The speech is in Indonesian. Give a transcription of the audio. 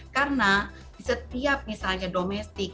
karena setiap misalnya domestik